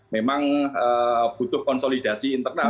memang butuh konsolidasi internal